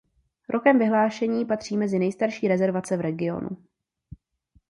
Rokem vyhlášení patří mezi nejstarší rezervace v regionu.